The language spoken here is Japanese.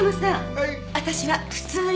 はい。